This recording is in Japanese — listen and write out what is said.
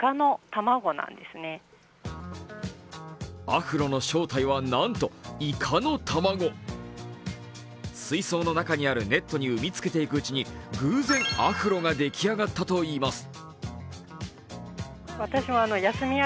アフロの正体は、なんといかの卵水槽の中にあるネットに産みつけていくうちに偶然、アフロが出来上がったといいます。